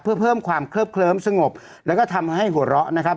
เพื่อเพิ่มความเคลือบเคลิ้มสงบแล้วก็ทำให้หัวเราะนะครับ